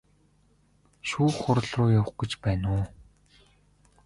Шүүх хуралруу явах гэж байна уу?